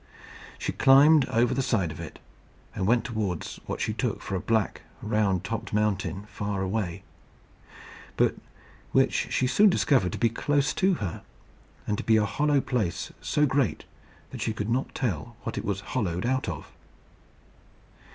She climbed over the side of it, and went towards what she took for a black, round topped mountain, far away; but which she soon discovered to be close to her, and to be a hollow place so great that she could not tell what it was hollowed out of.